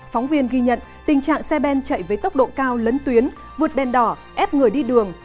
phóng viên ghi nhận tình trạng xe ben chạy với tốc độ cao lấn tuyến vượt đèn đỏ ép người đi đường